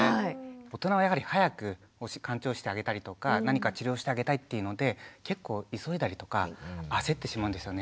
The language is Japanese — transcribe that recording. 大人はやはり早くかん腸してあげたりとか何か治療してあげたいっていうので結構急いだりとか焦ってしまうんですよね。